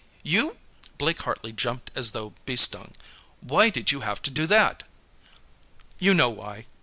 "You " Blake Hartley jumped as though bee stung. "Why did you have to do that?" "You know why.